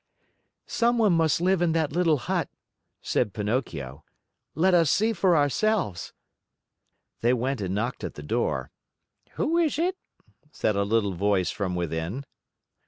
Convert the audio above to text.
"Someone must live in that little hut," said Pinocchio. "Let us see for ourselves." They went and knocked at the door. "Who is it?" said a little voice from within.